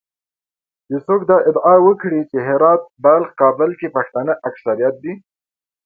چې څوک دې ادعا وکړي چې هرات، بلخ، کابل کې پښتانه اکثریت دي